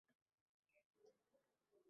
Ba’zilar bir og‘iz gap aytadi yoki yozadi.